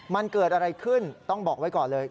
มันเกิดอะไรขึ้นต้องบอกไว้ก่อนเลย